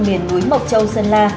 miền núi mộc châu sơn la